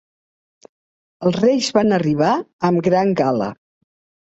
Els Reis van arribar amb gran gala.